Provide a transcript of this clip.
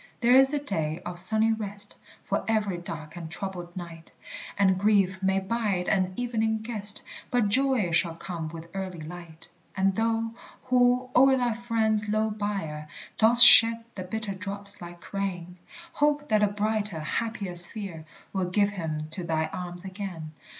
There is a day of sunny rest For every dark and troubled night; And grief may bide an evening guest, But joy shall come with early light. And thou, who o'er thy friend's low bier Dost shed the bitter drops like rain, Hope that a brighter, happier sphere Will give him to thy arms again.